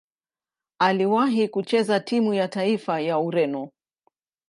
Aliwahi kucheza timu ya taifa ya Ureno.